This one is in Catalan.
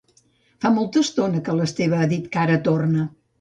Fa molta estona que l'Esteve ha dit que ara torna